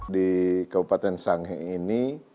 di kabupaten sangihe ini